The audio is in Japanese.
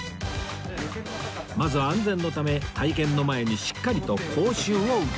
まず安全のため体験の前にしっかりと講習を受けます